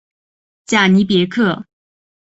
贾尼别克。